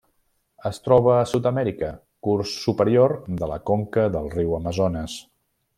Es troba a Sud-amèrica: curs superior de la conca del riu Amazones.